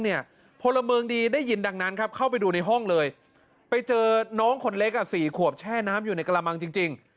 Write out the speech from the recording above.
น้องคนเล็ก๔ขวบแช่น้ำอยู่ในกระมังจริง